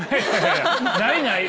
ないない！